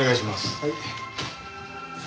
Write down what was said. はい。